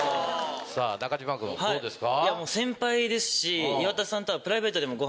中島君どうですか？